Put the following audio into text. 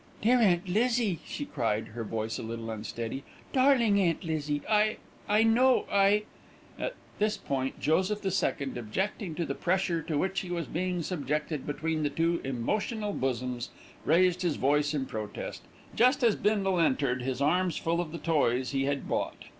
"Dear Aunt Lizzie!" she cried, her voice a little unsteady. "Darling Aunt Lizzie. I I know I " At this point Joseph the Second, objecting to the pressure to which he was being subjected between the two emotional bosoms, raised his voice in protest, just as Bindle entered, his arms full of the toys he had bought.